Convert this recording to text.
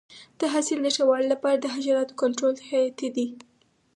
د حاصل د ښه والي لپاره د حشراتو کنټرول حیاتي دی.